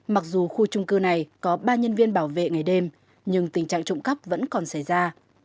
mặc dù khu trung cư này có ba nhân viên bảo vệ ngày đêm nhưng tình trạng trộm cắp vẫn còn xảy ra